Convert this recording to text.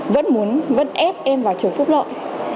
vẫn muốn vẫn ép em vào trường phúc lợi